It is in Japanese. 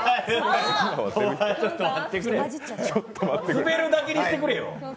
スベるだけにしてくれよ。